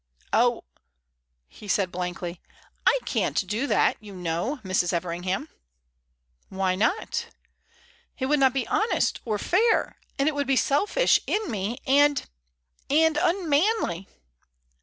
"Oh!" he said, blankly. "I can't do that, you know, Mrs. Everingham." "Why not?" "It would not be honest or fair. And it would be selfish in me, and and unmanly."